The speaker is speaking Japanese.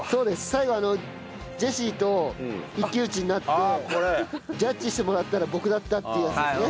最後ジェシーと一騎打ちになってジャッジしてもらったら僕だったっていうやつですね。